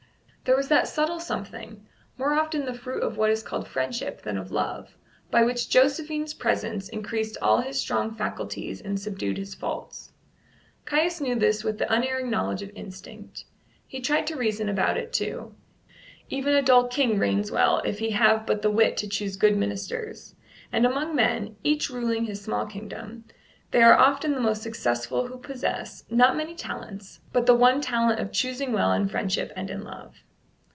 There was that subtle something, more often the fruit of what is called friendship than of love, by which Josephine's presence increased all his strong faculties and subdued his faults. Caius knew this with the unerring knowledge of instinct. He tried to reason about it, too: even a dull king reigns well if he have but the wit to choose good ministers; and among men, each ruling his small kingdom, they are often the most successful who possess, not many talents, but the one talent of choosing well in friendship and in love.